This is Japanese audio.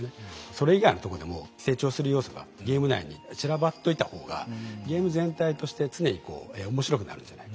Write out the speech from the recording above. それ以外のとこでも成長する要素がゲーム内に散らばっといた方がゲーム全体として常にこう面白くなるんじゃないか。